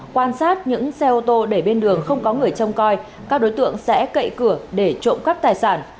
quan sát những xe ô tô để bên đường không có người trông coi các đối tượng sẽ cậy cửa để trộm cắp tài sản